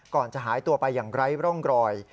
ก่อนจะหายตัวไปอย่างไร้ร่องรอย